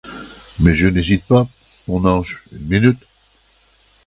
Mais je n’hésite pas, mon ange, une minute.